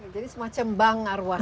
jadi semacam bank arwah